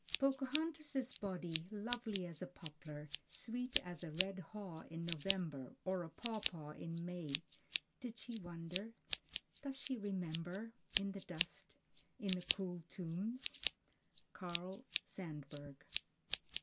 "Pocahontas' body, lovely as a poplar, sweet as a red haw in November or a pawpaw in May did she wonder? does she remember in the dust in the cool tombs?" Carl Sandburg.